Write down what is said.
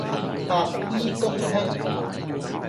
白衣公卿